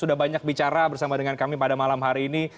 sudah banyak bicara bersama dengan kami pada malam hari ini